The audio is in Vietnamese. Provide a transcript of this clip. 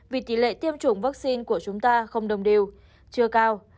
vì tỷ lệ tiêm chủng vaccine của chúng ta không đồng đều chưa cao